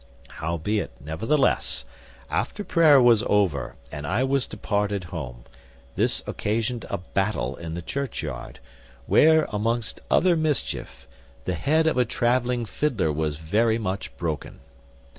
Howbeit, nevertheless, after prayer was over, and I was departed home, this occasioned a battle in the churchyard, where, amongst other mischief, the head of a travelling fidler was very much broken.